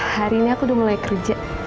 hari ini aku udah mulai kerja